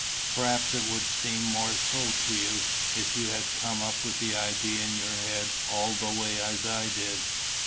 "Perhaps it would seem more so to you, if you had come up with the idea in your head all the way, as I did.